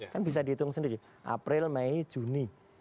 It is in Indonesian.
kan bisa dihitung sendiri april mei juni